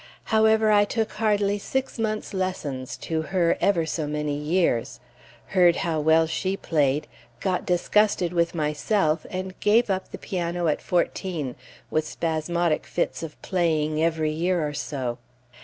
However, I took hardly six months' lessons to her ever so many years; heard how well she played, got disgusted with myself, and gave up the piano at fourteen, with spasmodic fits of playing every year or so.